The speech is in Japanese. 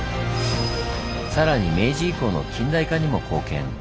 さらに明治以降の近代化にも貢献。